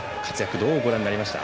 どうご覧になりました？